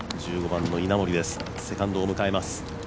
１５番の稲森です、セカンドを迎えます。